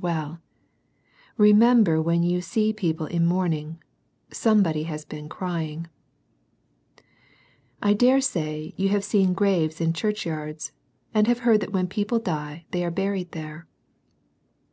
Well ! remember when you see peo ple in mourning, somebody has been " crying." I dare say you have seen graves in church yards, and have heard that when people die, they are buried there.